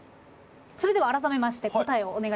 それでは改めまして答えをお願いします。